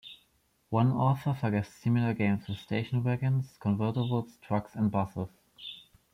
One author suggests similar games with station wagons, convertibles, trucks and buses.